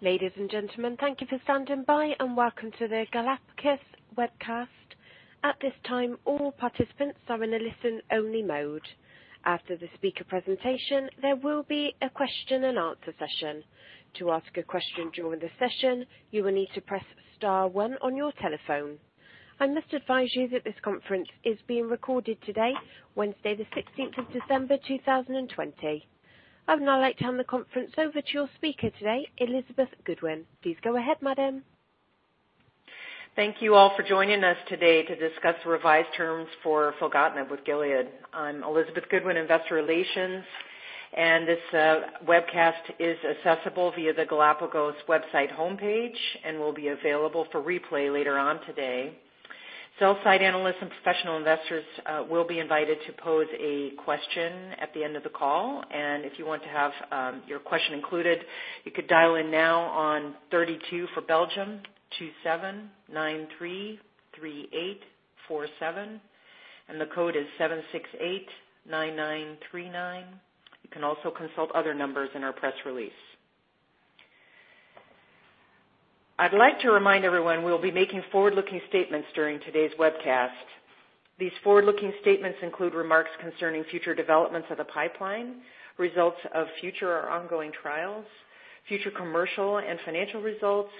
Ladies and gentlemen, thank you for standing by, and welcome to the Galapagos webcast. I must advise you that this conference is being recorded today, Wednesday the 16th of December, 2020. I would now like to turn the conference over to your speaker today, Elizabeth Goodwin. Please go ahead, madam. Thank you all for joining us today to discuss the revised terms for filgotinib with Gilead. I'm Elizabeth Goodwin, Investor Relations, and this webcast is accessible via the Galapagos website homepage and will be available for replay later on today. Sell-side analysts and professional investors will be invited to pose a question at the end of the call, and if you want to have your question included, you could dial in now on 32, for Belgium, 2793847 and the code is 7689939. You can also consult other numbers in our press release. I'd like to remind everyone we'll be making forward-looking statements during today's webcast. These forward-looking statements include remarks concerning future developments of the pipeline, results of future or ongoing trials, future commercial and financial results,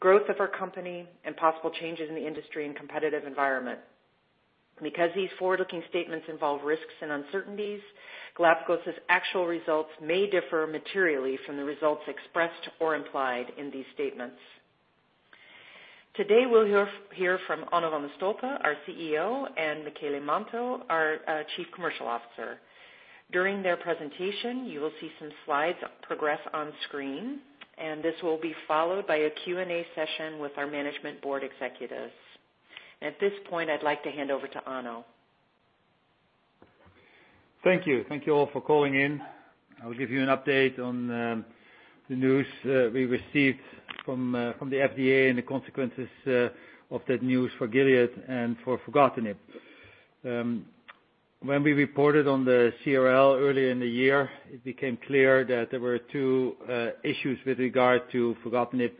growth of our company, and possible changes in the industry and competitive environment. Because these forward-looking statements involve risks and uncertainties, Galapagos's actual results may differ materially from the results expressed or implied in these statements. Today, we'll hear from Onno van de Stolpe, our CEO, and Michele Manto, our Chief Commercial Officer. During their presentation, you will see some slides progress on screen, and this will be followed by a Q&A session with our management board executives. At this point, I'd like to hand over to Onno. Thank you. Thank you all for calling in. I will give you an update on the news we received from the FDA and the consequences of that news for Gilead and for filgotinib. When we reported on the CRL earlier in the year, it became clear that there were two issues with regard to filgotinib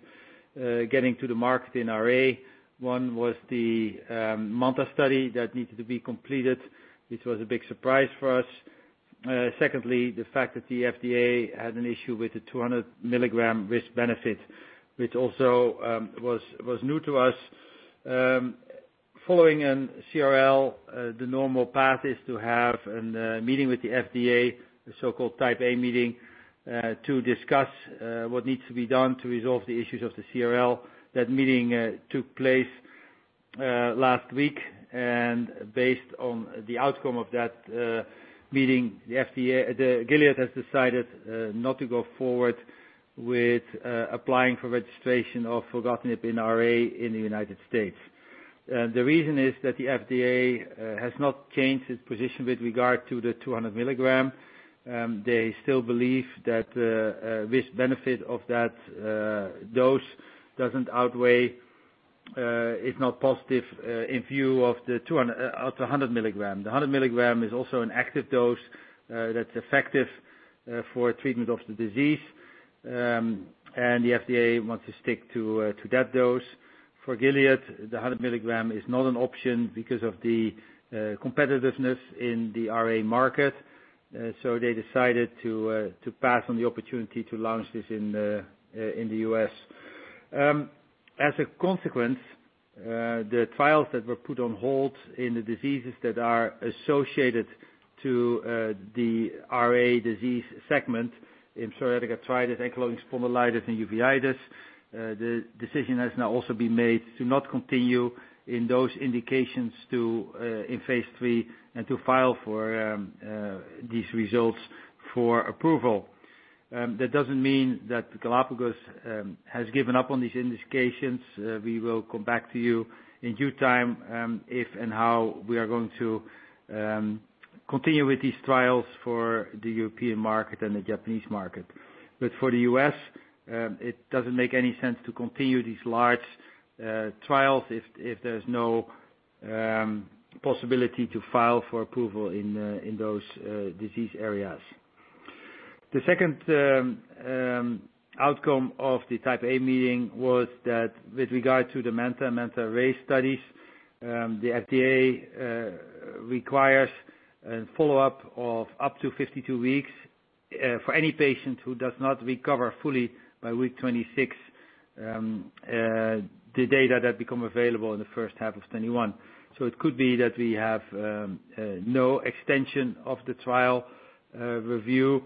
getting to the market in RA. One was the MANTA study that needed to be completed, which was a big surprise for us. Secondly, the fact that the FDA had an issue with the 200-mg risk-benefit, which also was new to us. Following a CRL, the normal path is to have a meeting with the FDA, the so-called Type A meeting, to discuss what needs to be done to resolve the issues of the CRL. That meeting took place last week. Based on the outcome of that meeting, Gilead has decided not to go forward with applying for registration of filgotinib in RA in the U.S. The reason is that the FDA has not changed its position with regard to the 200 mg. They still believe that risk-benefit of that dose is not positive in view of the 100 mg. The 100 mg is also an active dose that's effective for treatment of the disease. The FDA wants to stick to that dose. For Gilead, the 100 mg is not an option because of the competitiveness in the RA market. They decided to pass on the opportunity to launch this in the U.S. As a consequence, the trials that were put on hold in the diseases that are associated to the RA disease segment in psoriatic arthritis, ankylosing spondylitis, and uveitis, the decision has now also been made to not continue in those indications in phase III and to file for these results for approval. That doesn't mean that Galapagos has given up on these indications. We will come back to you in due time if and how we are going to continue with these trials for the European market and the Japanese market. For the U.S., it doesn't make any sense to continue these large trials if there's no possibility to file for approval in those disease areas. The second outcome of the Type A meeting was that with regard to the MANTA/MANTA-RAy studies, the FDA requires a follow-up of up to 52 weeks for any patient who does not recover fully by week 26, the data that become available in the first half of 2021. It could be that we have no extension of the trial review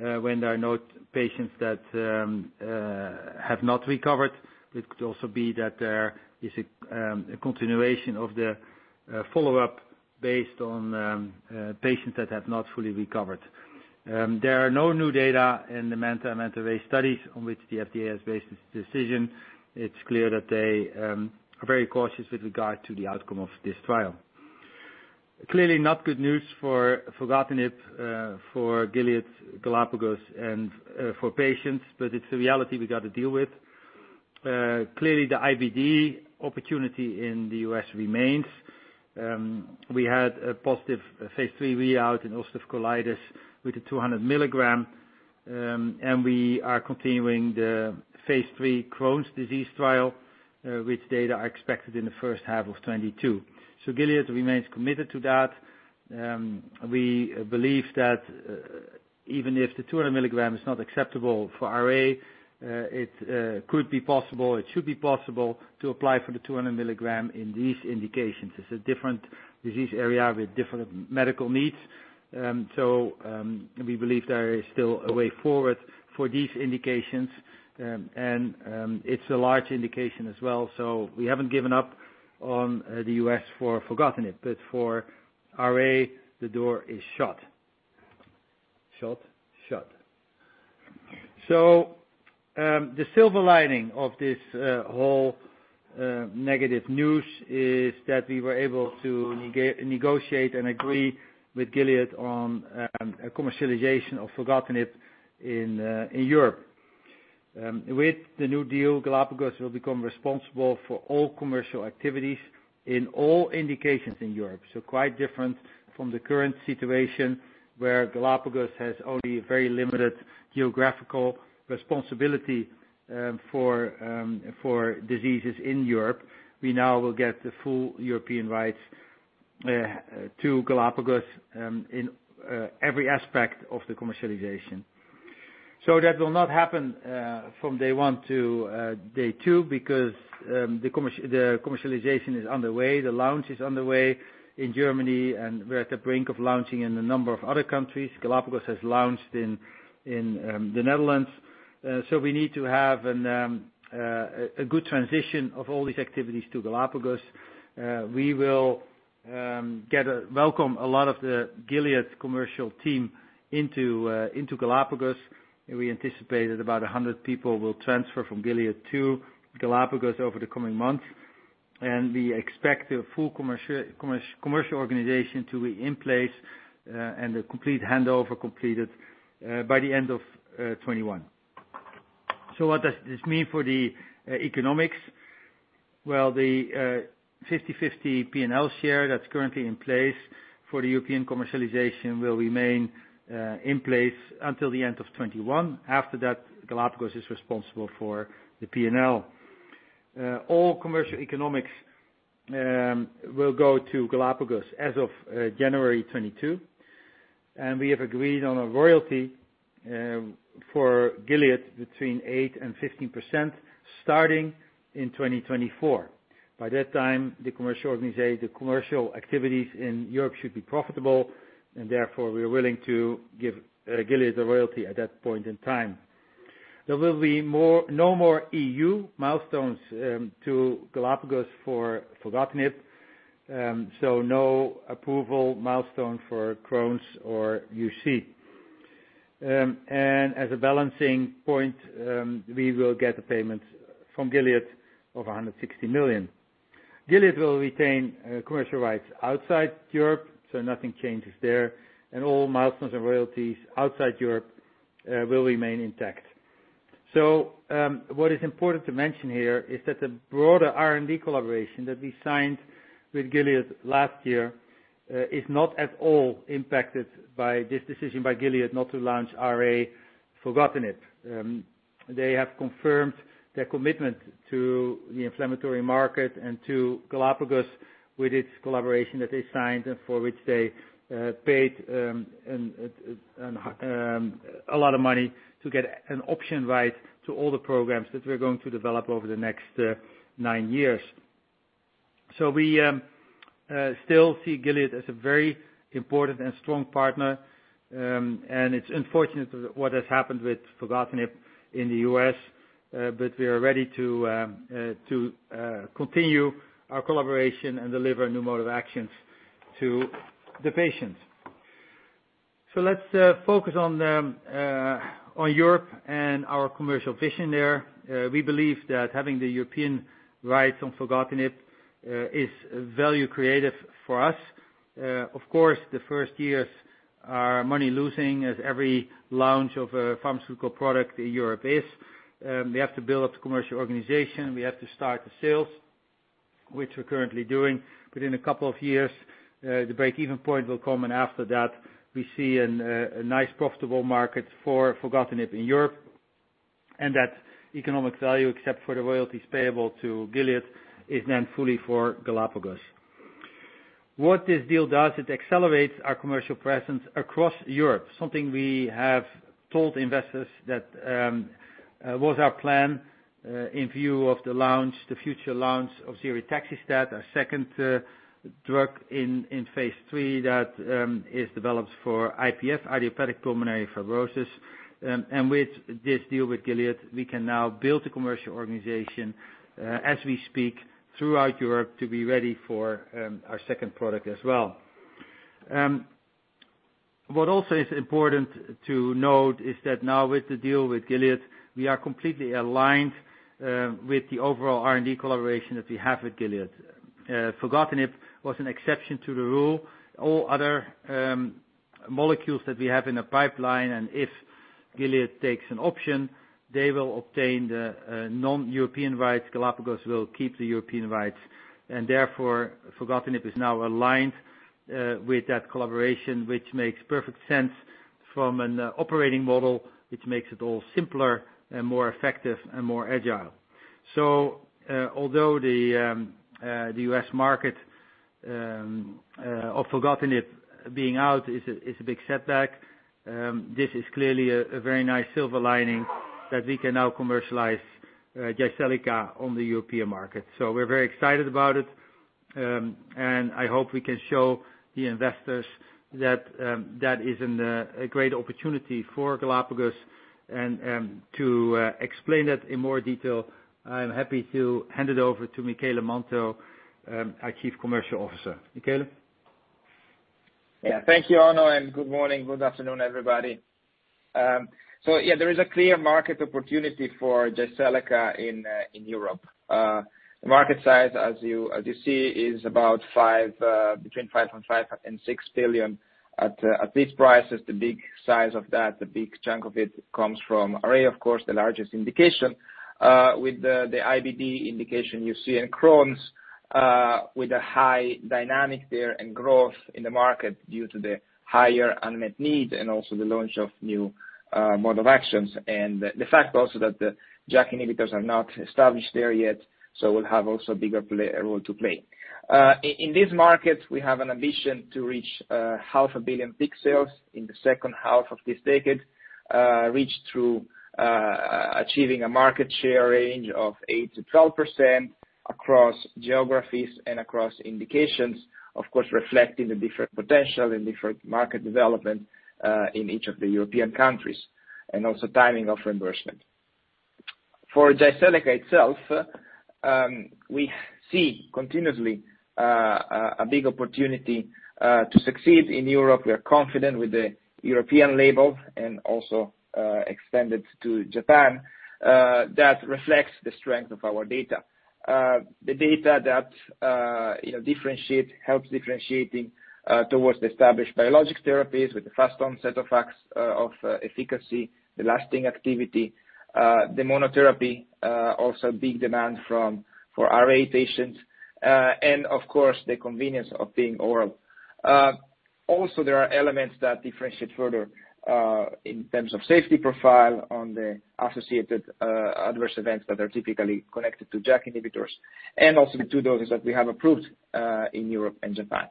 when there are no patients that have not recovered. It could also be that there is a continuation of the follow-up based on patients that have not fully recovered. There are no new data in the MANTA/MANTA-RAy studies on which the FDA has based its decision. It is clear that they are very cautious with regard to the outcome of this trial. Clearly not good news for filgotinib, for Gilead, Galapagos, and for patients. It's the reality we got to deal with. Clearly, the IBD opportunity in the U.S. remains. We had a positive phase III readout in ulcerative colitis with the 200 mg, and we are continuing the phase III Crohn's disease trial, which data are expected in the first half of 2022. Gilead remains committed to that. We believe that even if the 200 mg is not acceptable for RA, it could be possible, it should be possible, to apply for the 200 mg in these indications. It's a different disease area with different medical needs. We believe there is still a way forward for these indications. It's a large indication as well, so we haven't given up on the U.S. for filgotinib. For RA, the door is shut. The silver lining of this whole negative news is that we were able to negotiate and agree with Gilead on a commercialization of filgotinib in Europe. With the new deal, Galapagos will become responsible for all commercial activities in all indications in Europe. Quite different from the current situation, where Galapagos has only a very limited geographical responsibility for diseases in Europe. We now will get the full European rights to Galapagos in every aspect of the commercialization. That will not happen from day one to day two because the commercialization is underway. The launch is underway in Germany, and we're at the brink of launching in a number of other countries. Galapagos has launched in the Netherlands. We need to have a good transition of all these activities to Galapagos. We will welcome a lot of the Gilead commercial team into Galapagos, and we anticipate about 100 people will transfer from Gilead to Galapagos over the coming months. We expect the full commercial organization to be in place, and the complete handover completed, by the end of 2021. What does this mean for the economics? Well, the 50/50 P&L share that's currently in place for the European commercialization will remain in place until the end of 2021. After that, Galapagos is responsible for the P&L. All commercial economics will go to Galapagos as of January 2022, and we have agreed on a royalty for Gilead between 8% and 15%, starting in 2024. By that time, the commercial activities in Europe should be profitable, and therefore, we are willing to give Gilead a royalty at that point in time. There will be no more EU milestones to Galapagos for filgotinib, so no approval milestone for Crohn's or UC. As a balancing point, we will get a payment from Gilead of 160 million. Gilead will retain commercial rights outside Europe, so nothing changes there, and all milestones and royalties outside Europe will remain intact. What is important to mention here is that the broader R&D collaboration that we signed with Gilead last year is not at all impacted by this decision by Gilead not to launch RA filgotinib. They have confirmed their commitment to the inflammatory market and to Galapagos with its collaboration that they signed and for which they paid a lot of money to get an option right to all the programs that we're going to develop over the next nine years. We still see Gilead as a very important and strong partner, and it's unfortunate what has happened with filgotinib in the U.S., but we are ready to continue our collaboration and deliver a new mode of actions to the patients. Let's focus on Europe and our commercial vision there. We believe that having the European rights on filgotinib is value creative for us. Of course, the first years are money-losing as every launch of a pharmaceutical product in Europe is. We have to build up the commercial organization. We have to start the sales, which we're currently doing. In a couple of years, the break-even point will come, and after that, we see a nice profitable market for filgotinib in Europe, and that economic value, except for the royalties payable to Gilead, is then fully for Galapagos. What this deal does, it accelerates our commercial presence across Europe. Something we have told investors that was our plan in view of the future launch of ziritaxestat, our second drug in phase III, that is developed for IPF, idiopathic pulmonary fibrosis. With this deal with Gilead, we can now build the commercial organization as we speak throughout Europe to be ready for our second product as well. What also is important to note is that now with the deal with Gilead, we are completely aligned with the overall R&D collaboration that we have with Gilead. filgotinib was an exception to the rule. All molecules that we have in the pipeline, and if Gilead takes an option, they will obtain the non-European rights. Galapagos will keep the European rights, and therefore, filgotinib is now aligned with that collaboration, which makes perfect sense from an operating model, which makes it all simpler and more effective and more agile. Although the U.S. market of filgotinib being out is a big setback, this is clearly a very nice silver lining that we can now commercialize Jyseleca on the European market. We're very excited about it, and I hope we can show the investors that is a great opportunity for Galapagos. To explain that in more detail, I'm happy to hand it over to Michele Manto, our Chief Commercial Officer. Michele? Yeah. Thank you, Onno, and good morning, good afternoon, everybody. Yeah, there is a clear market opportunity for Jyseleca in Europe. The market size, as you see, is about between 5.5 billion and 6 billion. At these prices, the big size of that, the big chunk of it comes from RA, of course, the largest indication. With the IBD indication you see in Crohn's with a high dynamic there and growth in the market due to the higher unmet need and also the launch of new mode of actions, and the fact also that the JAK inhibitors are not established there yet, will have also a bigger role to play. In this market, we have an ambition to reach EUR half a billion peak sales in the second half of this decade, reach through achieving a market share range of 8%-12% across geographies and across indications. Of course, reflecting the different potential and different market development in each of the European countries, also timing of reimbursement. For Jyseleca itself, we see continuously a big opportunity to succeed in Europe. We are confident with the European label and also extended to Japan. That reflects the strength of our data. The data that helps differentiating towards the established biologic therapies with a fast onset of efficacy, the lasting activity, the monotherapy, also big demand for RA patients. Of course, the convenience of being oral. Also, there are elements that differentiate further in terms of safety profile on the associated adverse events that are typically connected to JAK inhibitors, and also the two doses that we have approved in Europe and Japan.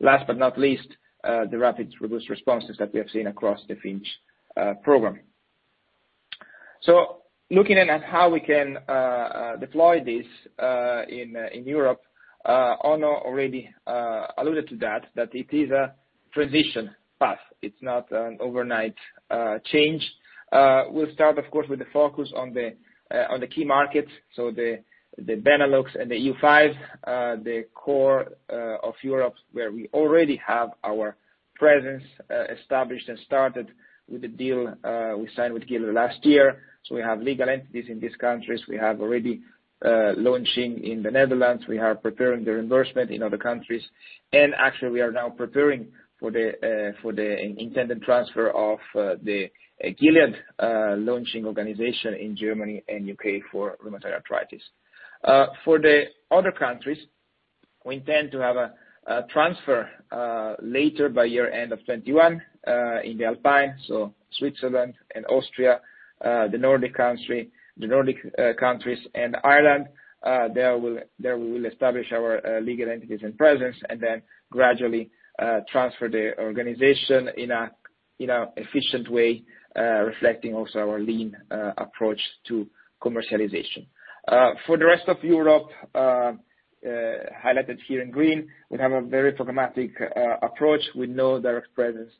Last but not least, the rapid robust responses that we have seen across the FINCH program. Looking at how we can deploy this in Europe, Onno already alluded to that it is a transition path. It's not an overnight change. We'll start, of course, with the focus on the key markets. The Benelux and the EU5, the core of Europe, where we already have our presence established and started with the deal we signed with Gilead last year. We have legal entities in these countries. We have already launching in the Netherlands. We are preparing the endorsement in other countries. Actually, we are now preparing for the intended transfer of the Gilead launching organization in Germany and U.K. for rheumatoid arthritis. For the other countries, we intend to have a transfer later by year-end of 2021 in the Alpine, Switzerland and Austria, the Nordic countries and Ireland. There we will establish our legal entities and presence and then gradually transfer the organization in an efficient way, reflecting also our lean approach to commercialization. For the rest of Europe, highlighted here in green, we have a very programmatic approach. We know direct presence,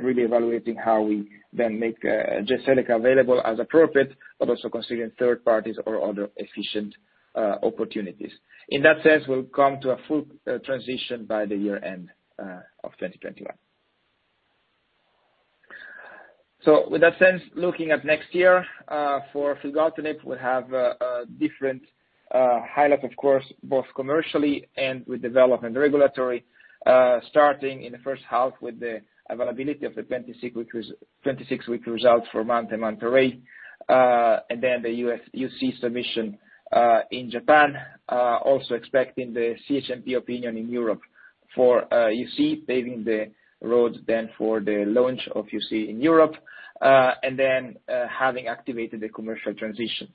really evaluating how we then make Jyseleca available as appropriate, also considering third parties or other efficient opportunities. In that sense, we'll come to a full transition by the year-end of 2021. In that sense, looking at next year, for filgotinib, we have different highlights, of course, both commercially and with development regulatory. Starting in the first half with the availability of the 26-week results for moderate to severe. Then the UC submission in Japan. Also expecting the CHMP opinion in Europe for UC, paving the roads then for the launch of UC in Europe. having activated the commercial transition.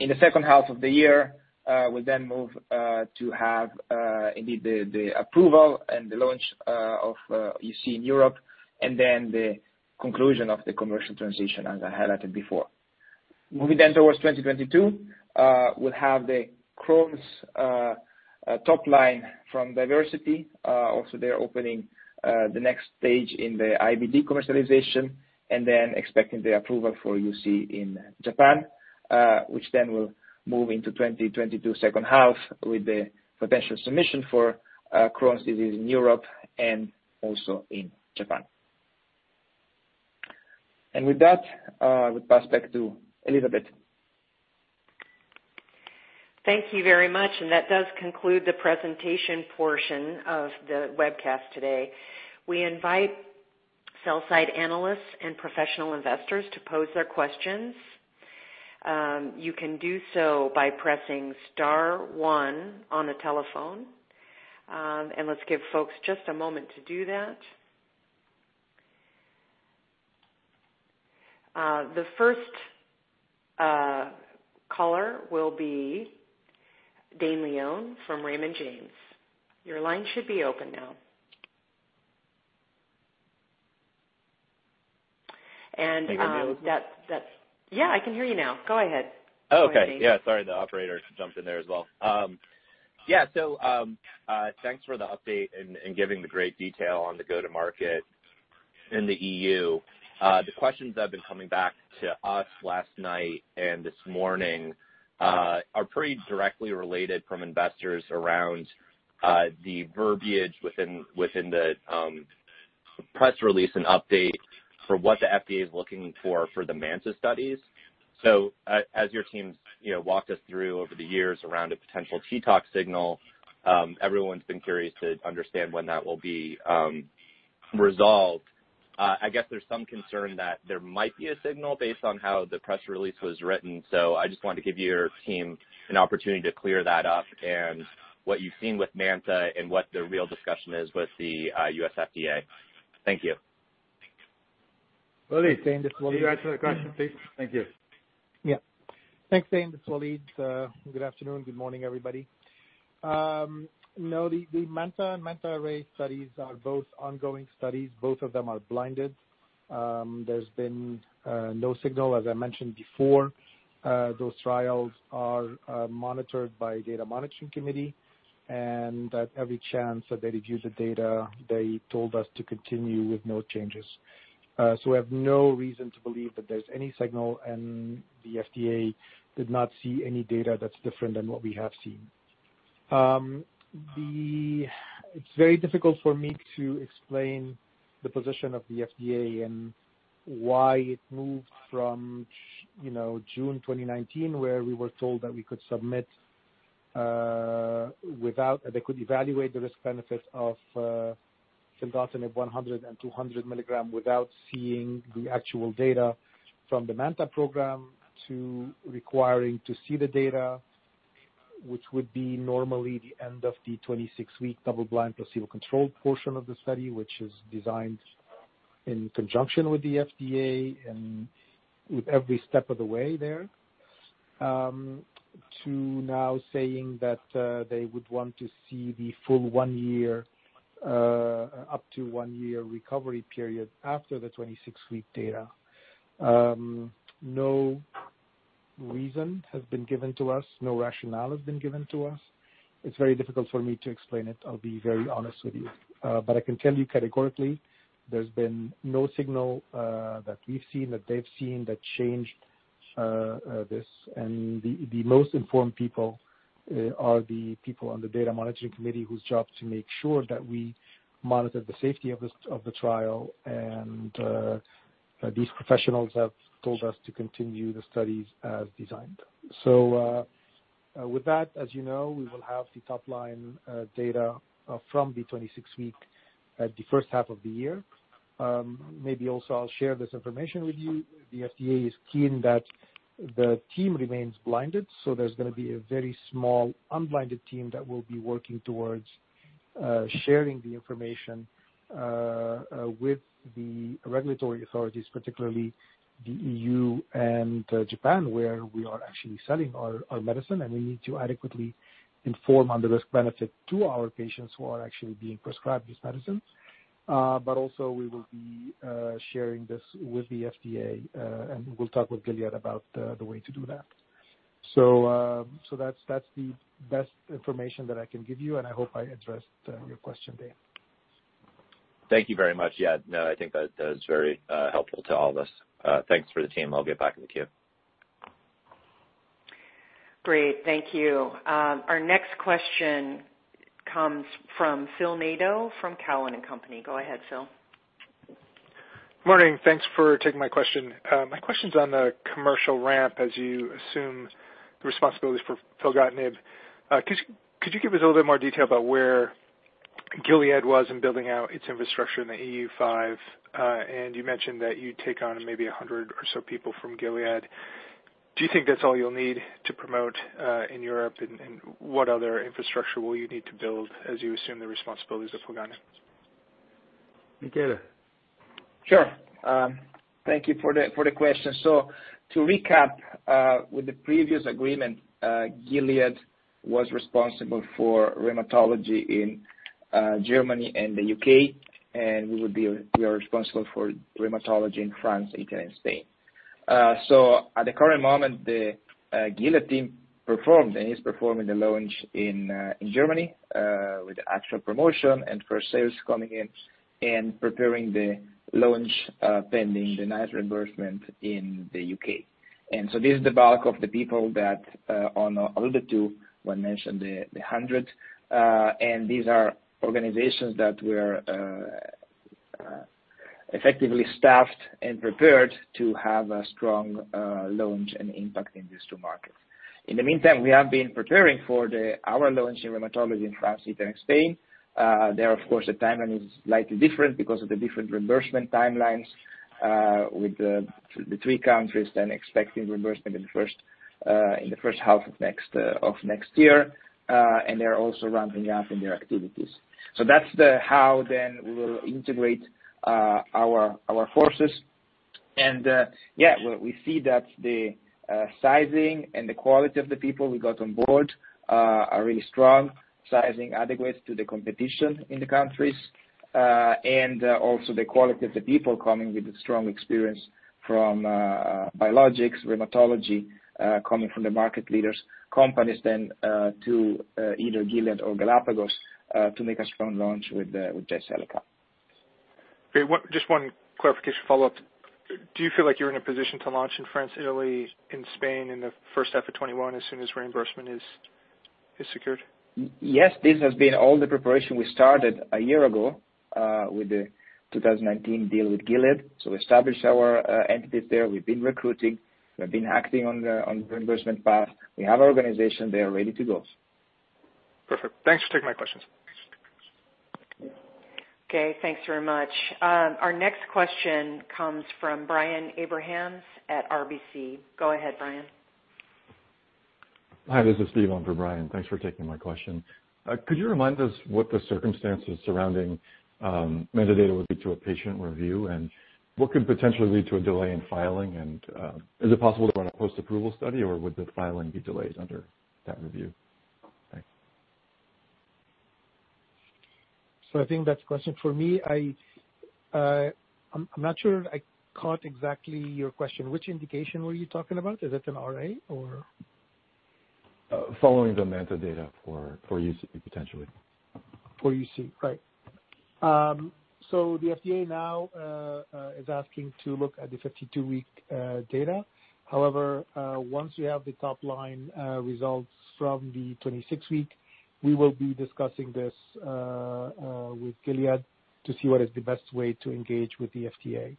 In the second half of the year, we'll then move to have indeed the approval and the launch of UC in Europe, and then the conclusion of the commercial transition as I highlighted before. Moving then towards 2022, we'll have the Crohn's top line from DIVERSITY. Also there opening the next stage in the IBD commercialization, and then expecting the approval for UC in Japan, which then will move into 2022 second half with the potential submission for Crohn's disease in Europe and also in Japan. with that, I would pass back to Elizabeth. Thank you very much. That does conclude the presentation portion of the webcast today. We invite sell-side analysts and professional investors to pose their questions. You can do so by pressing star one on the telephone. Let's give folks just a moment to do that. The first caller will be Dane Leone from Raymond James. Your line should be open now. Can you hear me, Lisa? Yeah, I can hear you now. Go ahead. Okay. Yeah, sorry. The operator jumped in there as well. Thanks for the update and giving the great detail on the go-to-market in the E.U. The questions that have been coming back to us last night and this morning are pretty directly related from investors around the verbiage within the press release and update for what the FDA is looking for the MANTA studies. As your teams walked us through over the years around a potential TTOX signal, everyone's been curious to understand when that will be resolved. I guess there's some concern that there might be a signal based on how the press release was written. I just wanted to give your team an opportunity to clear that up and what you've seen with MANTA and what the real discussion is with the U.S. FDA. Thank you. Walid. Dane, this is Walid. Can you answer the question, please? Thank you. Thanks, Dane. This is Walid. Good afternoon. Good morning, everybody. No, the MANTA and MANTA-RAy studies are both ongoing studies. Both of them are blinded. There's been no signal, as I mentioned before. Those trials are monitored by a data monitoring committee, and at every chance that they review the data, they told us to continue with no changes. we have no reason to believe that there's any signal, and the FDA did not see any data that's different than what we have seen. It's very difficult for me to explain the position of the FDA and why it moved from June 2019, where we were told that they could evaluate the risk-benefit of filgotinib 100 and 200 mg without seeing the actual data from the MANTA program, to requiring to see the data, which would be normally the end of the 26-week double-blind placebo-controlled portion of the study, which is designed in conjunction with the FDA and with every step of the way there, to now saying that they would want to see the full up to one-year recovery period after the 26-week data. No reason has been given to us. No rationale has been given to us. It's very difficult for me to explain it. I'll be very honest with you. I can tell you categorically, there's been no signal that we've seen, that they've seen that changed this. The most informed people are the people on the data monitoring committee whose job is to make sure that we monitor the safety of the trial. These professionals have told us to continue the studies as designed. With that, as you know, we will have the top-line data from the 26 week at the first half of the year. Maybe also, I'll share this information with you. The FDA is keen that the team remains blinded, so there's going to be a very small unblinded team that will be working towards sharing the information with the regulatory authorities, particularly the EU and Japan, where we are actually selling our medicine. We need to adequately inform on the risk-benefit to our patients who are actually being prescribed this medicine. also, we will be sharing this with the FDA, and we'll talk with Gilead about the way to do that. that's the best information that I can give you, and I hope I addressed your question, Dane. Thank you very much. Yeah, no, I think that is very helpful to all of us. Thanks for the team. I'll get back in the queue. Great. Thank you. Our next question comes from Phil Nadeau from Cowen and Company. Go ahead, Phil. Morning. Thanks for taking my question. My question's on the commercial ramp as you assume the responsibilities for filgotinib. Could you give us a little bit more detail about where Gilead was in building out its infrastructure in the EU5? You mentioned that you'd take on maybe 100 or so people from Gilead. Do you think that's all you'll need to promote in Europe? What other infrastructure will you need to build as you assume the responsibilities of filgotinib? Michele. Sure. Thank you for the question. To recap, with the previous agreement, Gilead was responsible for rheumatology in Germany and the U.K., and we are responsible for rheumatology in France, Italy, and Spain. At the current moment, the Gilead team performed and is performing the launch in Germany with the actual promotion and first sales coming in and preparing the launch pending the NICE reimbursement in the U.K. This is the bulk of the people that on the other two, when mentioned the hundred. These are organizations that we are Effectively staffed and prepared to have a strong launch and impact in these two markets. In the meantime, we have been preparing for our launch in rheumatology in France, Italy, and Spain. There, of course, the timeline is slightly different because of the different reimbursement timelines with the three countries, then expecting reimbursement in the first half of next year. They're also ramping up in their activities. That's how then we will integrate our forces. Yeah, we see that the sizing and the quality of the people we got on board are really strong. Sizing adequate to the competition in the countries. Also the quality of the people coming with the strong experience from biologics, rheumatology, coming from the market leaders companies, then, to either Gilead or Galapagos, to make a strong launch with Jyseleca. Great. Just one clarification follow-up. Do you feel like you're in a position to launch in France, Italy, and Spain in the first half of 2021, as soon as reimbursement is secured? Yes. This has been all the preparation we started a year ago, with the 2019 deal with Gilead. We established our entities there. We've been recruiting, we have been acting on the reimbursement path. We have our organization there ready to go. Perfect. Thanks for taking my questions. Okay. Thanks very much. Our next question comes from Brian Abrahams at RBC. Go ahead, Brian. Hi, this is Steve on for Brian. Thanks for taking my question. Could you remind us what the circumstances surrounding MANTA data would be to a patient review? What could potentially lead to a delay in filing? Is it possible to run a post-approval study, or would the filing be delayed under that review? Thanks. I think that's a question for me. I'm not sure I caught exactly your question. Which indication were you talking about? Is it an RA or? Following the MANTA data for UC, potentially. For UC. Right. The FDA now is asking to look at the 52-week data. However, once we have the top-line results from the 26-week, we will be discussing this with Gilead to see what is the best way to engage with the FDA.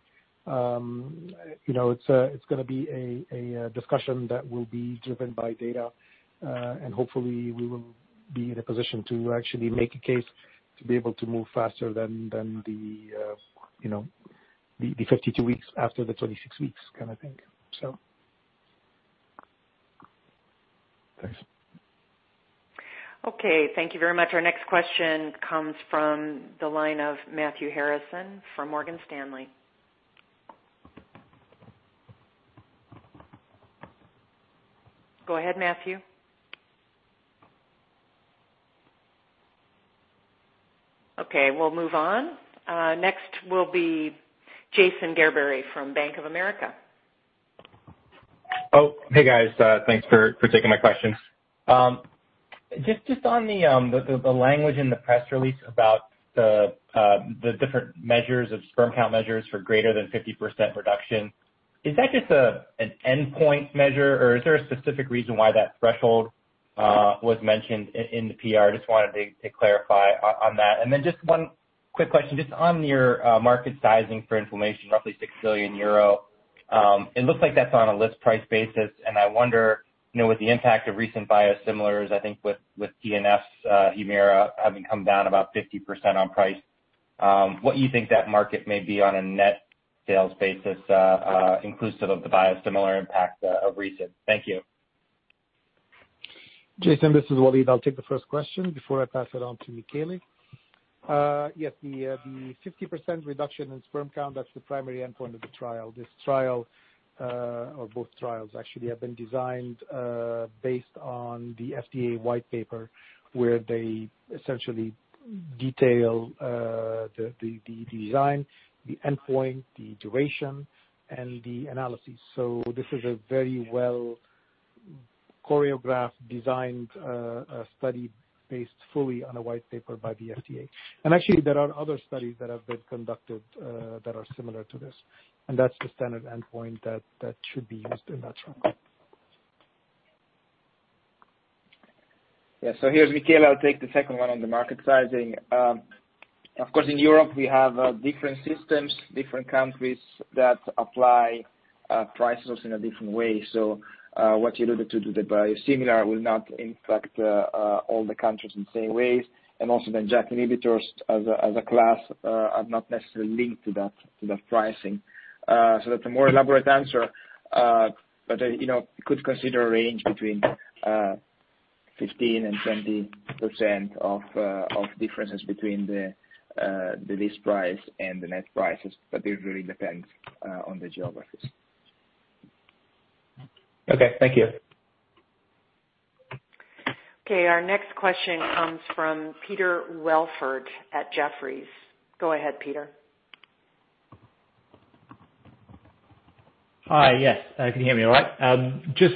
It's going to be a discussion that will be driven by data, and hopefully, we will be in a position to actually make a case to be able to move faster than the 52 weeks after the 26 weeks kind of thing. Thanks. Okay. Thank you very much. Our next question comes from the line of Matthew Harrison from Morgan Stanley. Go ahead, Matthew. Okay, we'll move on. Next will be Jason Gerberry from Bank of America. Oh, hey, guys. Thanks for taking my questions. Just on the language in the press release about the different measures of sperm count measures for greater than 50% reduction, is that just an endpoint measure, or is there a specific reason why that threshold was mentioned in the PR? Just wanted to clarify on that. just one quick question, just on your market sizing for inflammation, roughly 6 billion euro. It looks like that's on a list price basis. I wonder, with the impact of recent biosimilars, I think with TNF HUMIRA having come down about 50% on price, what you think that market may be on a net sales basis, inclusive of the biosimilar impact of recent. Thank you. Jason, this is Walid. I'll take the first question before I pass it on to Michele. Yes, the 50% reduction in sperm count, that's the primary endpoint of the trial. This trial, or both trials, actually, have been designed based on the FDA white paper where they essentially detail the design, the endpoint, the duration, and the analysis. This is a very well-choreographed, designed study based fully on a white paper by the FDA. Actually, there are other studies that have been conducted that are similar to this, and that's the standard endpoint that should be used in that trial. Yeah, here's Michele. I'll take the second one on the market sizing. Of course, in Europe, we have different systems, different countries that apply prices in a different way. what you alluded to, the biosimilar will not impact all the countries in the same ways. also then JAK inhibitors as a class are not necessarily linked to that pricing. that's a more elaborate answer. you could consider a range between 15 and 20% of differences between the list price and the net prices, but it really depends on the geographies. Okay. Thank you. Okay. Our next question comes from Peter Welford at Jefferies. Go ahead, Peter. Hi. Yes. Can you hear me all right? Just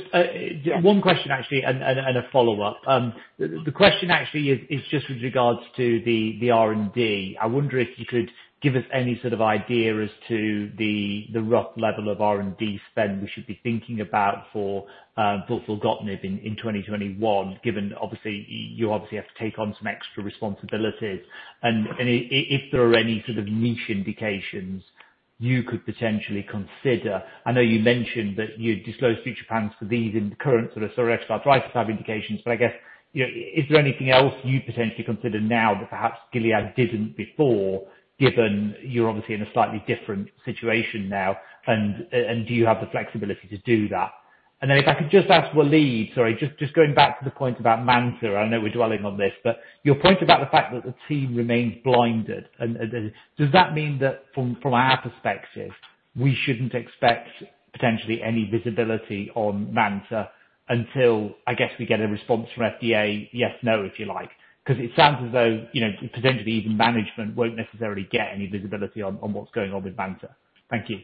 one question, actually, and a follow-up. The question actually is just with regards to the R&D. I wonder if you could give us any sort of idea as to the rough level of R&D spend we should be thinking about for filgotinib in 2021, given obviously, you obviously have to take on some extra responsibilities. If there are any sort of niche indications you could potentially consider. I know you mentioned that you disclose future plans for these in the current sort of psoriatic arthritis type indications, but I guess, is there anything else you'd potentially consider now that perhaps Gilead didn't before, given you're obviously in a slightly different situation now, and do you have the flexibility to do that? Then if I could just ask Walid, sorry, just going back to the point about MANTA. I know we're dwelling on this, but your point about the fact that the team remains blinded, does that mean that from our perspective, we shouldn't expect potentially any visibility on MANTA until, I guess, we get a response from FDA, yes, no, if you like? Because it sounds as though, potentially even management won't necessarily get any visibility on what's going on with MANTA. Thank you.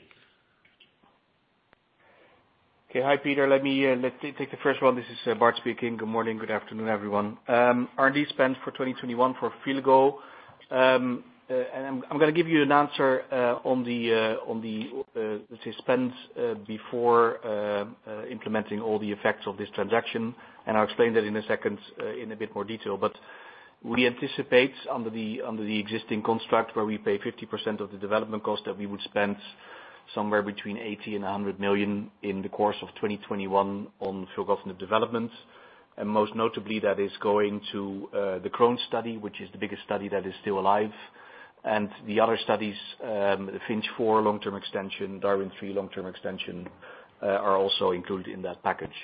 Okay. Hi, Peter. Let me take the first one. This is Bart speaking. Good morning, good afternoon, everyone. R&D spend for 2021 for Filgo. I'm going to give you an answer on the suspense before implementing all the effects of this transaction, and I'll explain that in a second in a bit more detail. We anticipate under the existing construct, where we pay 50% of the development cost, that we would spend somewhere between 80 million and 100 million in the course of 2021 on filgotinib development. Most notably, that is going to the Crohn's study, which is the biggest study that is still alive. The other studies, FINCH 4 long-term extension, DARWIN 3 long-term extension, are also included in that package.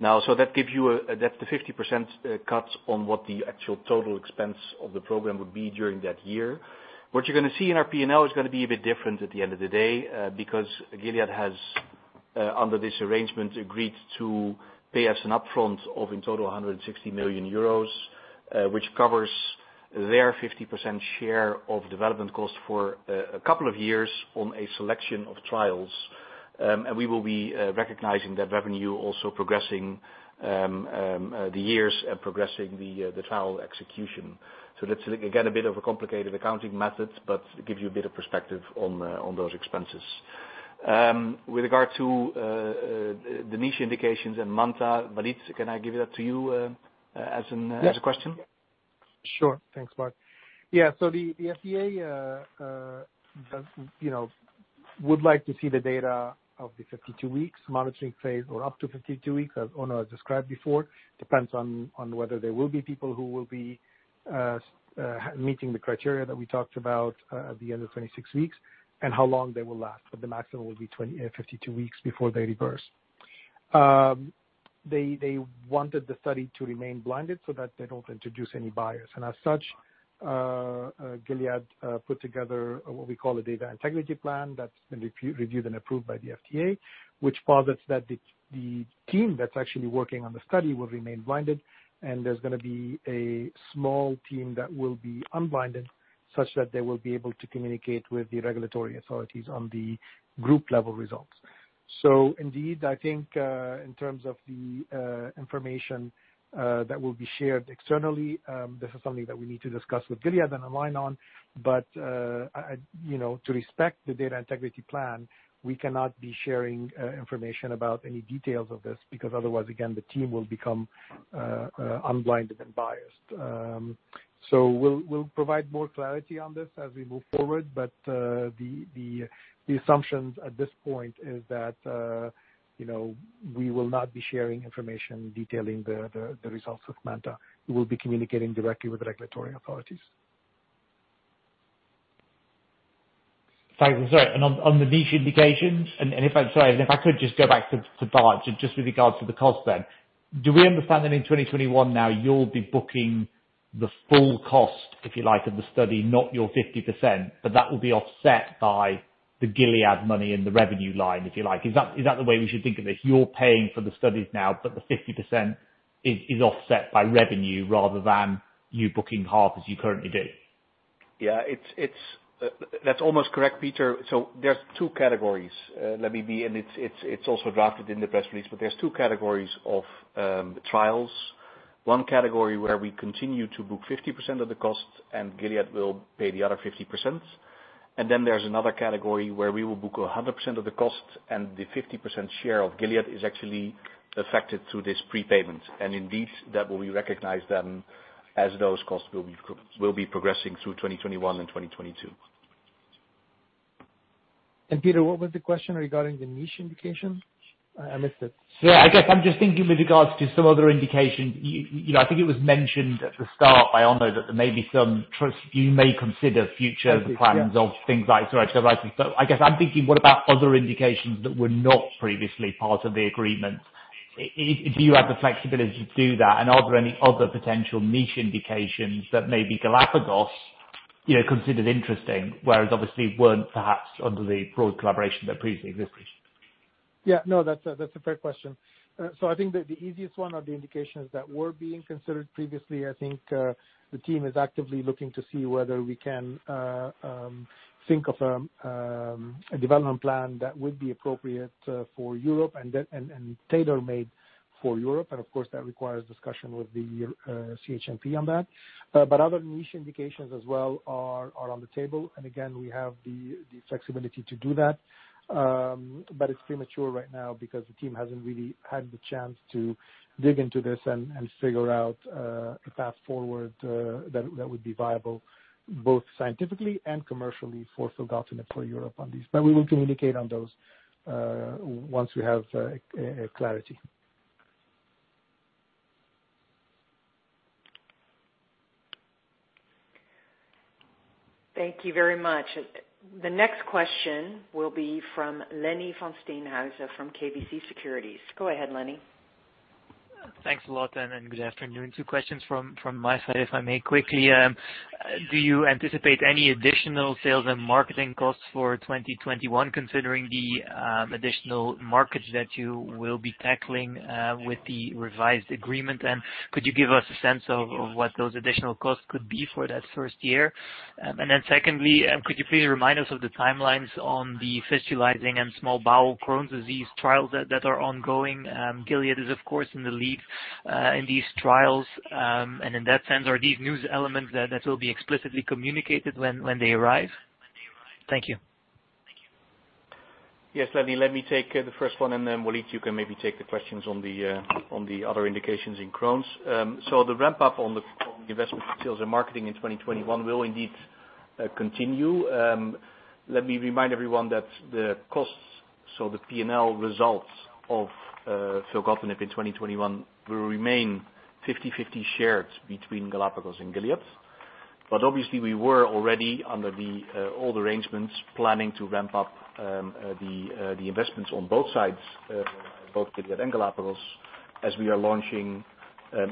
That gives you that the 50% cut on what the actual total expense of the program would be during that year. What you're going to see in our P&L is going to be a bit different at the end of the day, because Gilead has, under this arrangement, agreed to pay us an upfront of, in total, 160 million euros, which covers their 50% share of development cost for a couple of years on a selection of trials. We will be recognizing that revenue also progressing the years and progressing the trial execution. That's, again, a bit of a complicated accounting method, but it gives you a bit of perspective on those expenses. With regard to the niche indications and MANTA, Walid, can I give that to you as a question? Sure. Thanks, Bart. Yeah. the FDA would like to see the data of the 52 weeks monitoring phase or up to 52 weeks, as Onno has described before. Depends on whether there will be people who will be meeting the criteria that we talked about at the end of 26 weeks and how long they will last. the maximum will be 52 weeks before they reverse. They wanted the study to remain blinded so that they don't introduce any bias. as such, Gilead put together what we call a data integrity plan that's been reviewed and approved by the FDA, which posits that the team that's actually working on the study will remain blinded, and there's going to be a small team that will be unblinded, such that they will be able to communicate with the regulatory authorities on the group-level results. Indeed, I think, in terms of the information that will be shared externally, this is something that we need to discuss with Gilead and align on. To respect the data integrity plan, we cannot be sharing information about any details of this, because otherwise, again, the team will become unblinded and biased. We'll provide more clarity on this as we move forward, but the assumptions at this point is that we will not be sharing information detailing the results of MANTA. We will be communicating directly with the regulatory authorities. Thanks. On the niche indications, and if I could just go back to Bart, just with regards to the cost then. Do we understand that in 2021 now you'll be booking the full cost, if you like, of the study, not your 50%, but that will be offset by the Gilead money in the revenue line, if you like. Is that the way we should think of this? You're paying for the studies now, but the 50% is offset by revenue rather than you booking half as you currently do. Yeah. That's almost correct, Peter. There's two categories. It's also drafted in the press release, but there's two categories of trials. One category where we continue to book 50% of the cost and Gilead will pay the other 50%. Then there's another category where we will book 100% of the cost and the 50% share of Gilead is actually affected through this prepayment. Indeed, that will be recognized then as those costs will be progressing through 2021 and 2022. Peter, what was the question regarding the niche indication? I missed it. Yeah, I guess I'm just thinking with regards to some other indication. I think it was mentioned at the start by Onno that you may consider future plans of things like psoriatic arthritis. I guess I'm thinking what about other indications that were not previously part of the agreement? Do you have the flexibility to do that, and are there any other potential niche indications that maybe Galapagos considered interesting, whereas obviously weren't perhaps under the broad collaboration that previously existed? Yeah. No, that's a fair question. I think that the easiest one are the indications that were being considered previously. I think the team is actively looking to see whether we can think of a development plan that would be appropriate for Europe and tailor-made for Europe. Of course, that requires discussion with the CHMP on that. Other niche indications as well are on the table. Again, we have the flexibility to do that. It's premature right now because the team hasn't really had the chance to dig into this and figure out a path forward that would be viable both scientifically and commercially for filgotinib for Europe on these. We will communicate on those once we have clarity. Thank you very much. The next question will be from Lenny Van Steenhuyse from KBC Securities. Go ahead, Lenny. Thanks a lot, and good afternoon. Two questions from my side, if I may, quickly. Do you anticipate any additional sales and marketing costs for 2021, considering the additional markets that you will be tackling with the revised agreement? Could you give us a sense of what those additional costs could be for that first year? Secondly, could you please remind us of the timelines on the fistulizing and small bowel Crohn's disease trials that are ongoing? Gilead is, of course, in the lead in these trials. In that sense, are these news elements that will be explicitly communicated when they arrive? Thank you. Yes, Lenny. Let me take the first one, and then Walid, you can maybe take the questions on the other indications in Crohn's. The ramp-up on the investment for sales and marketing in 2021 will indeed continue. Let me remind everyone that the costs, so the P&L results of filgotinib in 2021 will remain 50-50 shared between Galapagos and Gilead. Obviously, we were already under the old arrangements, planning to ramp up the investments on both sides, both Gilead and Galapagos, as we are launching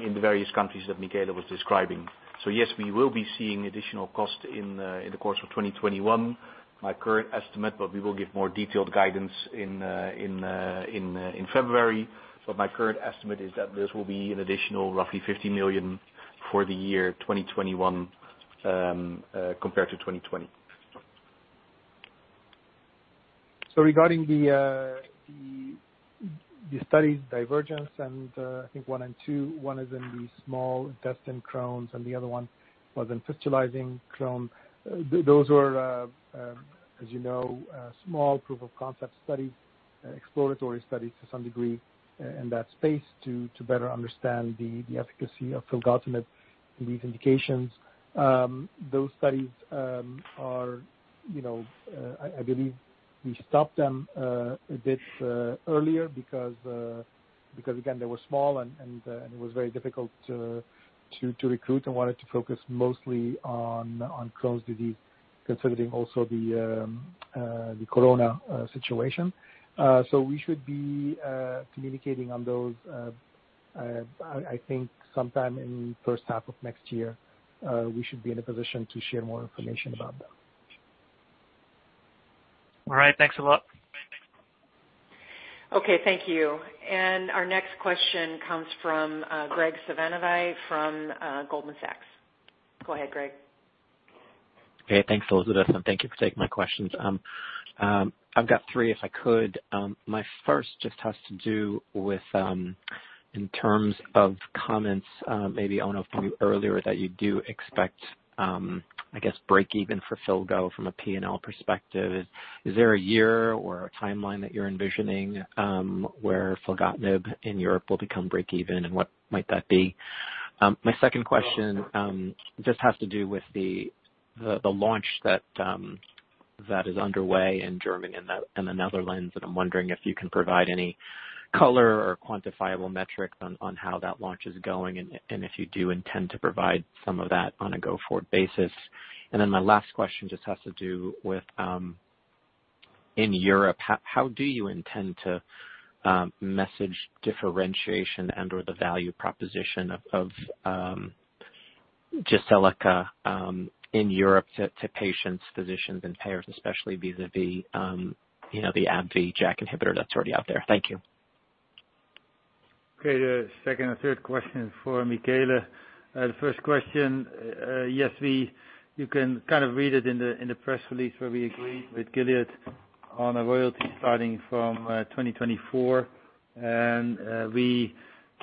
in the various countries that Michele was describing. Yes, we will be seeing additional cost in the course of 2021. My current estimate, but we will give more detailed guidance in February. My current estimate is that this will be an additional roughly 50 million for the year 2021, compared to 2020. Regarding the studies DIVERSITY and I think one and two, one of them, the small intestine Crohn's and the other one was in fistulizing Crohn's. Those were, as you know, small proof-of-concept studies, exploratory studies to some degree in that space to better understand the efficacy of filgotinib in these indications. Those studies are, I believe we stopped them a bit earlier because, again, they were small, and it was very difficult to recruit and wanted to focus mostly on Crohn's disease, considering also the corona situation. We should be communicating on those, I think sometime in the first half of next year. We should be in a position to share more information about that. All right. Thanks a lot. Okay. Thank you. Our next question comes from Graig Suvannavejh from Goldman Sachs. Go ahead, Graig. Okay. Thanks, Elizabeth, and thank you for taking my questions. I've got three if I could. My first just has to do with, in terms of comments, maybe, Onno, from you earlier that you do expect, I guess, break even for filgo from a P&L perspective. Is there a year or a timeline that you're envisioning where filgotinib in Europe will become break even, and what might that be? My second question just has to do with the launch that is underway in Germany and the Netherlands. I'm wondering if you can provide any color or quantifiable metrics on how that launch is going, and if you do intend to provide some of that on a go-forward basis. my last question just has to do with, in Europe, how do you intend to message differentiation and/or the value proposition of Jyseleca in Europe to patients, physicians, and payers, especially vis-a-vis the AbbVie JAK inhibitor that's already out there. Thank you. Okay. The second and third question for Michele. The first question, yes, you can kind of read it in the press release where we agreed with Gilead on a royalty starting from 2024. We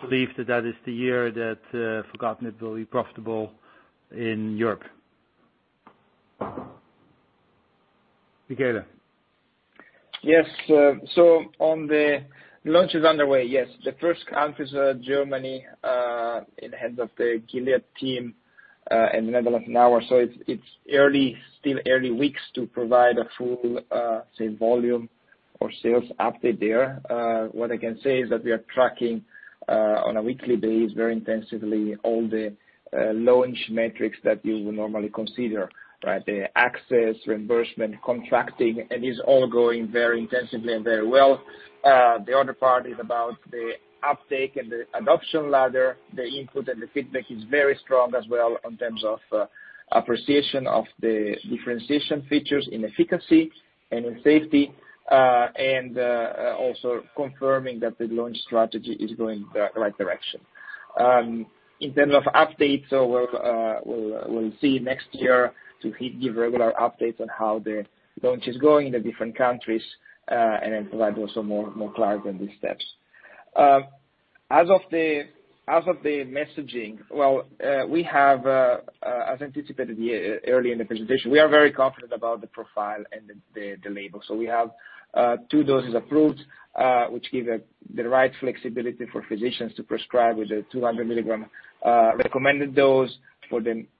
believe that that is the year that filgotinib will be profitable in Europe. Michele. Yes. On the launches underway, yes, the first country is Germany, in the hands of the Gilead team, and the Netherlands now. It's still early weeks to provide a full sales volume or sales update there. What I can say is that we are tracking on a weekly basis very intensively all the launch metrics that you would normally consider, right? The access, reimbursement, contracting, and it's all going very intensively and very well. The other part is about the uptake and the adoption ladder. The input and the feedback is very strong as well in terms of appreciation of the differentiation features in efficacy and in safety. Also confirming that the launch strategy is going the right direction. In terms of updates, we'll see next year to give regular updates on how the launch is going in the different countries, and then provide also more clarity on these steps. As of the messaging, well, we have, as anticipated early in the presentation, we are very confident about the profile and the label. We have two doses approved, which give the right flexibility for physicians to prescribe with the 200 mg recommended dose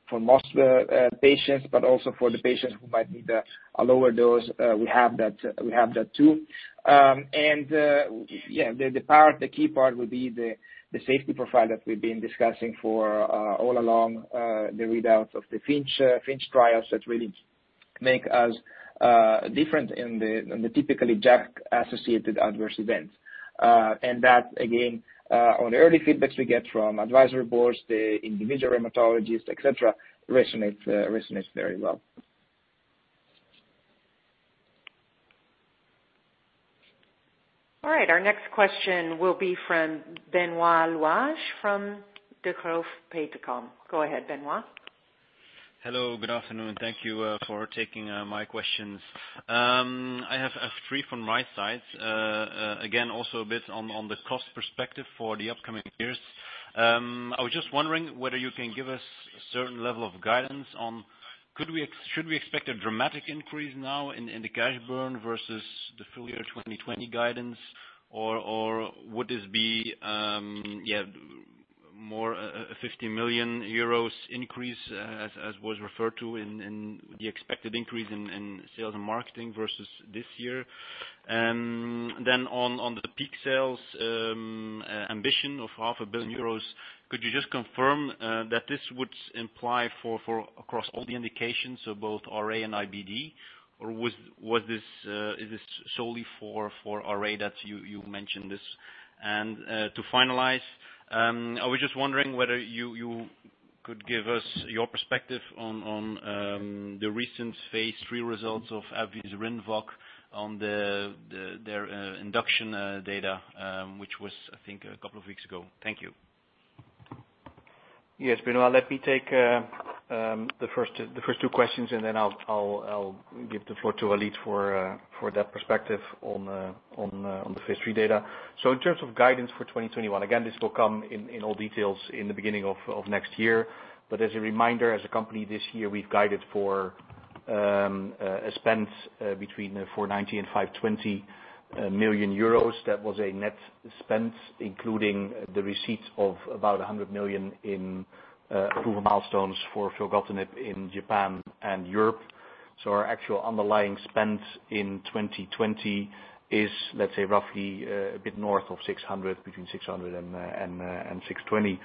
for most patients, but also for the patients who might need a lower dose. We have that, too. The key part would be the safety profile that we've been discussing for all along the readouts of the FINCH trials that really Make us different in the typically JAK-associated adverse events. That, again, on early feedbacks we get from advisory boards, the individual rheumatologists, et cetera, resonates very well. All right, our next question will be from Benoit Louage from Degroof Petercam. Go ahead, Benoit. Hello, good afternoon. Thank you for taking my questions. I have three from my side. Again, also a bit on the cost perspective for the upcoming years. I was just wondering whether you can give us a certain level of guidance on should we expect a dramatic increase now in the cash burn versus the full year 2020 guidance? Would this be more 50 million euros increase, as was referred to in the expected increase in sales and marketing versus this year? On the peak sales ambition of half a billion euros, could you just confirm that this would imply for across all the indications, so both RA and IBD? Is this solely for RA that you mentioned this? To finalize, I was just wondering whether you could give us your perspective on the recent phase III results of AbbVie's RINVOQ on their induction data, which was, I think, a couple of weeks ago. Thank you. Yes, Benoit. Let me take the first two questions, and then I'll give the floor to Walid for that perspective on the phase III data. In terms of guidance for 2021, again, this will come in all details in the beginning of next year. As a reminder, as a company this year, we've guided for a spend between 490 million and 520 million euros. That was a net spend, including the receipts of about 100 million in approval milestones for filgotinib in Japan and Europe. Our actual underlying spend in 2020 is, let's say, roughly a bit north of 600 million, between 600 million and 620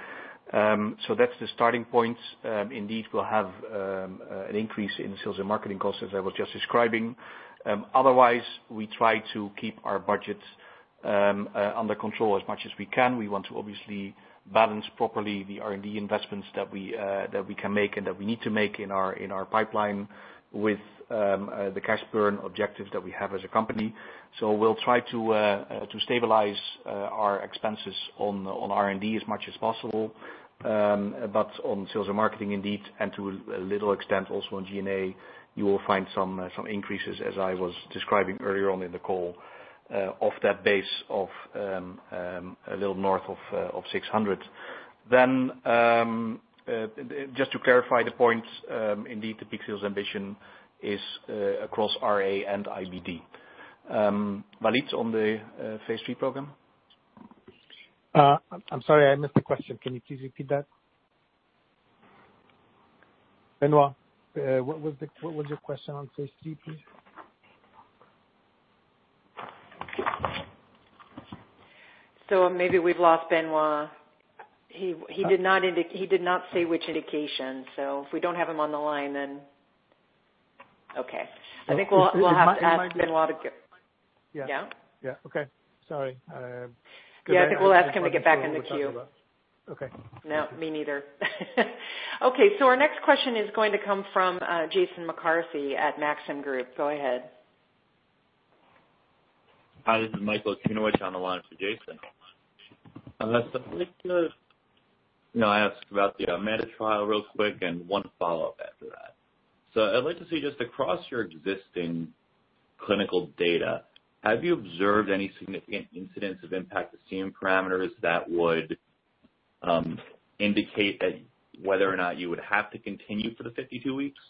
million. That's the starting point. Indeed, we'll have an increase in sales and marketing costs, as I was just describing. Otherwise, we try to keep our budget under control as much as we can. We want to obviously balance properly the R&D investments that we can make and that we need to make in our pipeline with the cash burn objective that we have as a company. We'll try to stabilize our expenses on R&D as much as possible. On sales and marketing, indeed, and to a little extent also on G&A, you will find some increases, as I was describing earlier on in the call, of that base of a little north of 600. Just to clarify the point, indeed, the peak sales ambition is across RA and IBD. Walid, on the phase III program. I'm sorry, I missed the question. Can you please repeat that? Benoit, what was your question on phase III, please? Maybe we've lost Benoit. He did not say which indication. If we don't have him on the line, then Okay. I think we'll have to ask Benoit to- Yeah. Yeah. Yeah. Okay. Sorry. I think we'll ask him to get back into queue. Okay. No, me neither. Okay, our next question is going to come from Jason McCarthy at Maxim Group. Go ahead. Hi, this is Michael Okunewitch on the line for Jason. I'd like to ask about the MANTA trial real quick and one follow-up after that. I'd like to see just across your existing clinical data, have you observed any significant incidents of impact to semen parameters that would indicate whether or not you would have to continue for the 52 weeks?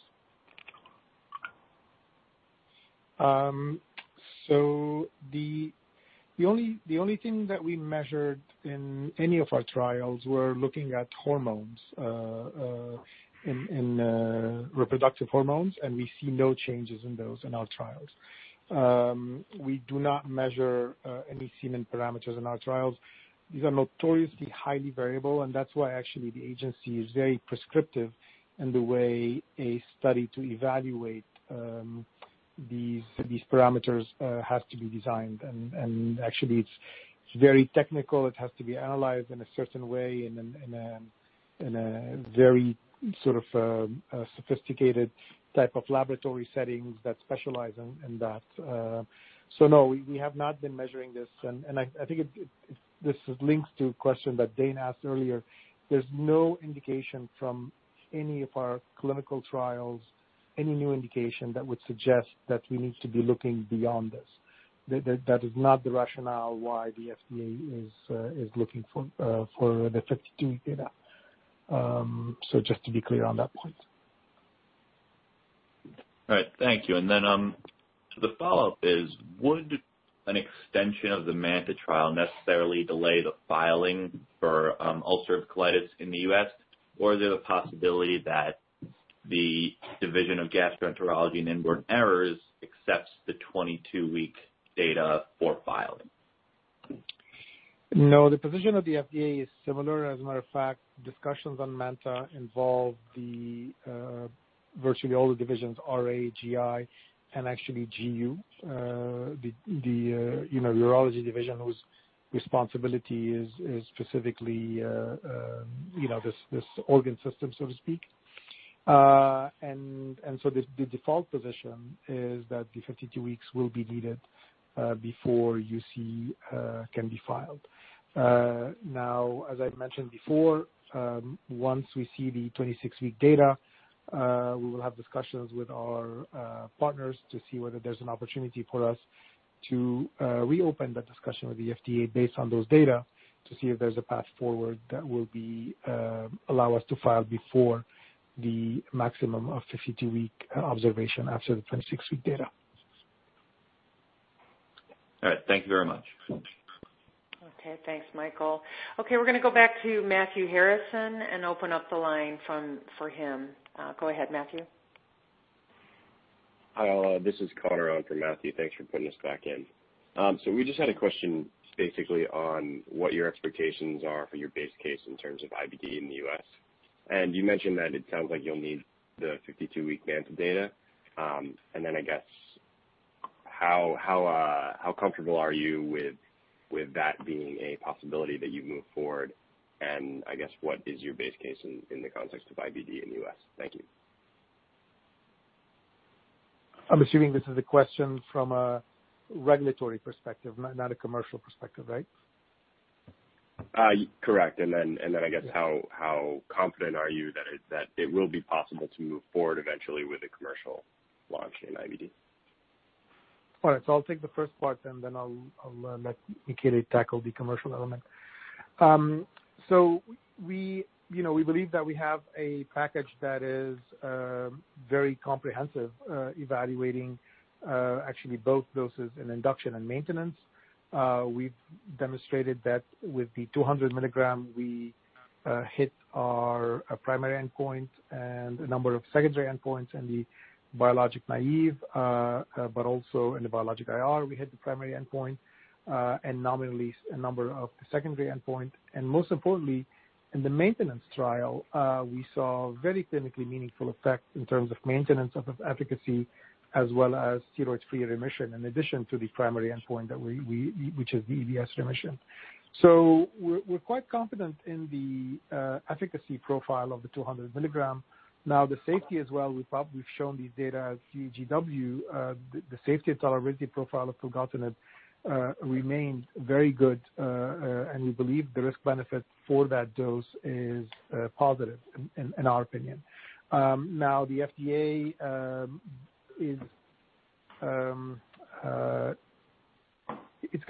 The only thing that we measured in any of our trials were looking at hormones, reproductive hormones, and we see no changes in those in our trials. We do not measure any semen parameters in our trials. These are notoriously highly variable, and that's why actually the agency is very prescriptive in the way a study to evaluate these parameters has to be designed. Actually, it's very technical. It has to be analyzed in a certain way in a very sort of sophisticated type of laboratory settings that specialize in that. No, we have not been measuring this. I think this links to a question that Dane asked earlier. There's no indication from any of our clinical trials, any new indication that would suggest that we need to be looking beyond this. That is not the rationale why the FDA is looking for the 52 data. Just to be clear on that point. All right. Thank you. The follow-up is, would an extension of the MANTA trial necessarily delay the filing for ulcerative colitis in the U.S., or is there a possibility that the Division of Gastroenterology and Inborn Errors accepts the 22-week data for filing? No, the position of the FDA is similar. As a matter of fact, discussions on MANTA involve virtually all the divisions, RA, GI, and actually GU, the urology division whose responsibility is specifically this organ system, so to speak. The default position is that the 52 weeks will be needed before UC can be filed. As I mentioned before, once we see the 26-week data, we will have discussions with our partners to see whether there's an opportunity for us to reopen the discussion with the FDA based on those data to see if there's a path forward that will allow us to file before the maximum of 52-week observation after the 26-week data. All right. Thank you very much. Okay. Thanks, Michael. Okay, we're going to go back to Matthew Harrison and open up the line for him. Go ahead, Matthew. Hi, this is Connor on for Matthew. Thanks for putting us back in. We just had a question basically on what your expectations are for your base case in terms of IBD in the U.S. You mentioned that it sounds like you'll need the 52-week MANTA data. I guess, how comfortable are you with that being a possibility that you move forward? I guess what is your base case in the context of IBD in the U.S.? Thank you. I'm assuming this is a question from a regulatory perspective, not a commercial perspective, right? Correct. I guess how confident are you that it will be possible to move forward eventually with a commercial launch in IBD? All right. I'll take the first part, and then I'll let Michele tackle the commercial element. We believe that we have a package that is very comprehensive, evaluating actually both doses in induction and maintenance. We've demonstrated that with the 200 mg, we hit our primary endpoint and a number of secondary endpoints in the biologic-naive, but also in the biologic IR, we hit the primary endpoint, and nominally a number of secondary endpoint. Most importantly, in the maintenance trial, we saw very clinically meaningful effects in terms of maintenance of efficacy as well as steroid-free remission, in addition to the primary endpoint which is the EBS remission. We're quite confident in the efficacy profile of the 200 mg. The safety as well, we've shown these data at UEG Week. The safety and tolerability profile of filgotinib remains very good. We believe the risk-benefit for that dose is positive in our opinion. It's going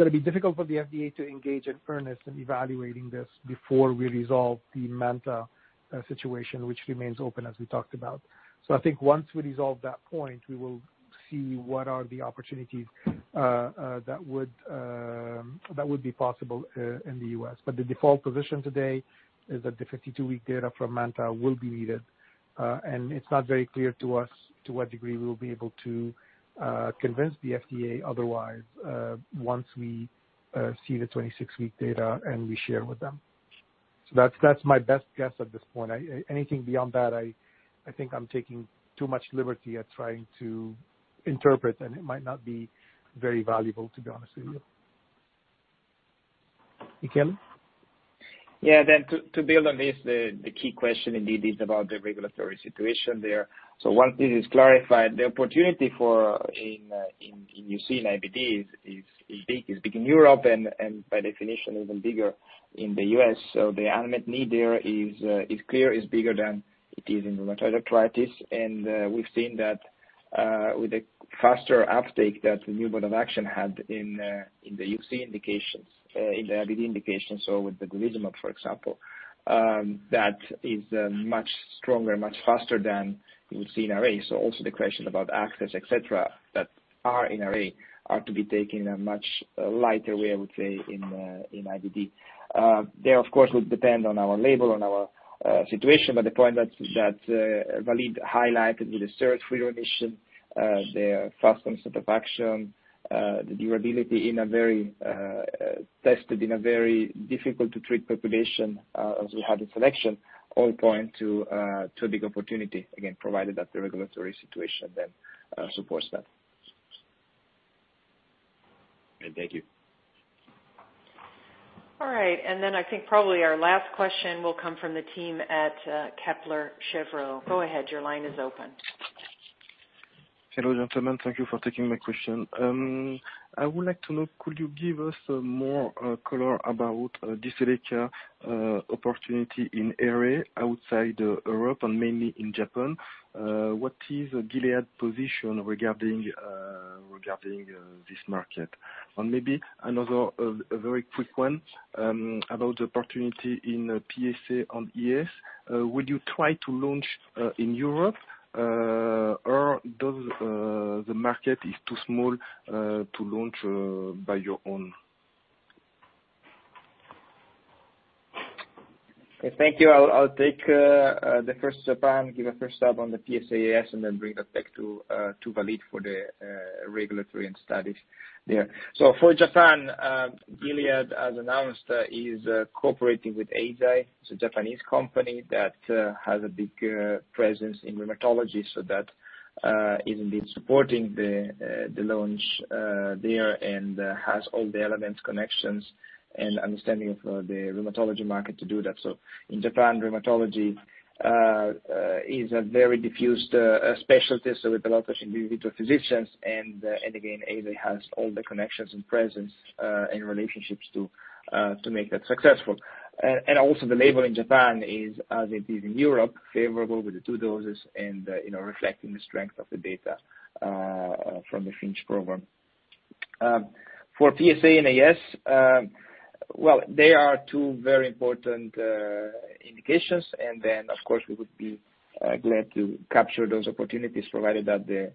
to be difficult for the FDA to engage in fairness in evaluating this before we resolve the MANTA situation, which remains open, as we talked about. I think once we resolve that point, we will see what are the opportunities that would be possible in the U.S. The default position today is that the 52-week data from MANTA will be needed. It's not very clear to us to what degree we'll be able to convince the FDA otherwise, once we see the 26-week data and we share with them. That's my best guess at this point. Anything beyond that, I think I'm taking too much liberty at trying to interpret, and it might not be very valuable, to be honest with you. Michele? Yeah, to build on this, the key question indeed is about the regulatory situation there. Once it is clarified, the opportunity for in UC and IBD is big in Europe and by definition, even bigger in the U.S. The unmet need there is clear is bigger than it is in rheumatoid arthritis. We've seen that with a faster uptake that the new mode of action had in the UC indications, in the IBD indications. With the golimumab, for example, that is much stronger, much faster than we would see in RA. Also the question about access, et cetera, that are in RA are to be taken a much lighter way, I would say, in IBD. There, of course, would depend on our label, on our situation, but the point that Walid highlighted with the steroid-free remission, the fast onset of action, the durability tested in a very difficult-to-treat population as we had in selection, all point to a big opportunity, again, provided that the regulatory situation then supports that. Great. Thank you. All right. I think probably our last question will come from the team at Kepler Cheuvreux. Go ahead. Your line is open. Hello, gentlemen. Thank you for taking my question. I would like to know, could you give us more color about Jyseleca opportunity in RA outside Europe and mainly in Japan? What is Gilead position regarding this market? Maybe another, a very quick one, about the opportunity in PsA and AS. Will you try to launch in Europe? Or does the market is too small to launch by your own? Thank you. I'll take the first Japan, give a first step on the PsA/AS, and then bring it back to Walid for the regulatory and studies there. for Japan, Gilead, as announced, is cooperating with Eisai. It's a Japanese company that has a big presence in rheumatology, so that is indeed supporting the launch there and has all the elements, connections, and understanding of the rheumatology market to do that. in Japan, rheumatology is a very diffused specialty, so with a lot of individual physicians. again, Eisai has all the connections and presence and relationships to make that successful. also the label in Japan is, as it is in Europe, favorable with the two doses and reflecting the strength of the data from the FINCH program. For PsA and AS, well, they are two very important indications. of course, we would be glad to capture those opportunities, provided that the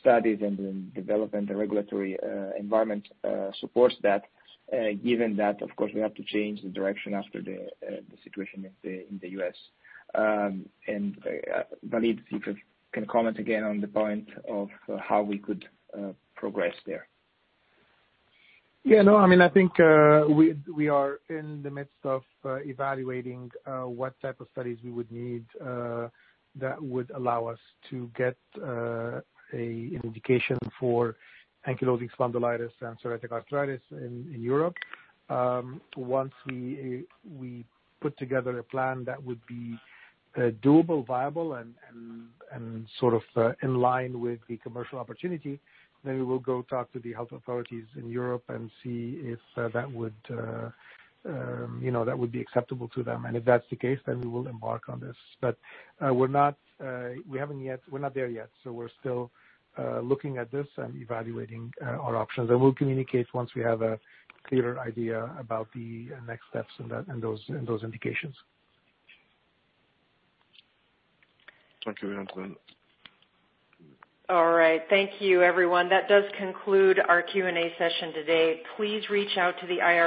studies and the development, the regulatory environment supports that, given that, of course, we have to change the direction after the situation in the US. Walid, if you can comment again on the point of how we could progress there. Yeah, no, I think we are in the midst of evaluating what type of studies we would need that would allow us to get an indication for ankylosing spondylitis and psoriatic arthritis in Europe. Once we put together a plan that would be doable, viable, and sort of in line with the commercial opportunity, then we will go talk to the health authorities in Europe and see if that would be acceptable to them. If that's the case, then we will embark on this. We're not there yet, so we're still looking at this and evaluating our options. We'll communicate once we have a clearer idea about the next steps in those indications. Thank you. We understand. All right. Thank you, everyone. That does conclude our Q&A session today. Please reach out to the IR-